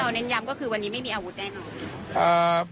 ที่เราเน้นยามก็คือวันนี้ไม่มีอาวุธได้หรออ่าหัว